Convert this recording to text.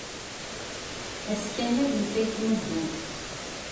Ass kamel netta yettnuddum.